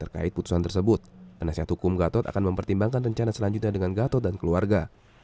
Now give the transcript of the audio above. terkait putusan tersebut penasihat hukum gatot akan mempertimbangkan rencana selanjutnya dengan gatot dan keluarga